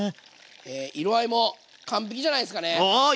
色合いも完璧じゃないですかね。